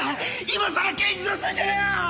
今さら刑事面すんじゃねえよ！